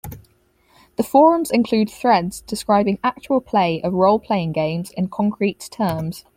The forums include threads describing actual play of role-playing games in concrete terms.